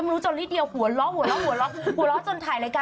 เออใช่ต้องโทษแทค